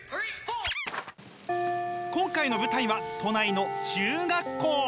今回の舞台は都内の中学校！